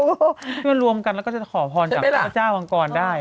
เพราะว่ารวมกันแล้วก็จะขอผ่อนจากพระเจ้าอังกรได้